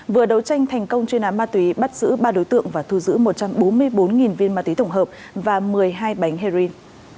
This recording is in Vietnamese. vừa đấu tranh thành công chuyên án ma túy bắt giữ ba đối tượng và thu giữ một trăm bốn mươi bốn viên ma túy tổng hợp và một mươi hai bánh heroin